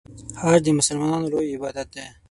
حج د مسلمانانو لوی عبادت دی.